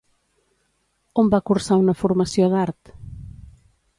On va cursar una formació d'art?